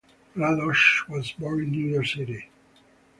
Radosh was born in New York City.